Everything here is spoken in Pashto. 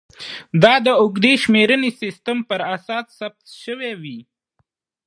دا د اوږدې شمېرنې سیستم پر اساس ثبت شوې وې